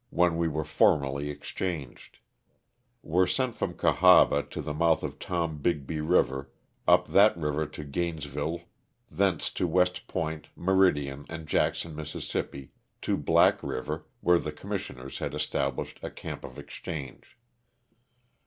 when we were formally exchanged ; (were sent from Cahaba to the mouth of Tombigbee river, up that river to Gaines ville, thence to West Point, Meridian, and Jackson, Miss., to Black River, where the commisHioners had established a camp of exchange).